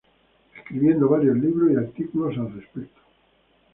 Escribiendo varios libros y artículos al respecto.